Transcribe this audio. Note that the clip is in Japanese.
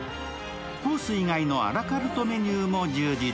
コース以外のアラカルトメニューも充実。